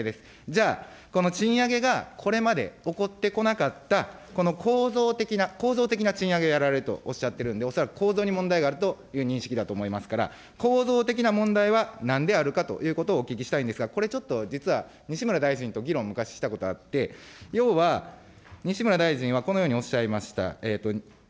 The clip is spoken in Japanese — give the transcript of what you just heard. じゃあ、この賃上げがこれまで起こってこなかった、この構造的な、構造的な賃上げがあられるとおっしゃってるんで、恐らく構造に問題があるという認識だと思いますから、構造的な問題はなんであるかということをお聞きしたいんですが、これ、ちょっと実は、西村大臣と議論、昔したことがあって、要は西村大臣はこのようにおっしゃいました。